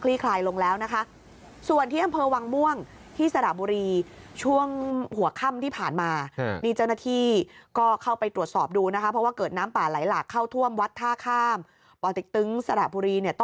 คลีคลายลงแล้วนะคะส่วนที่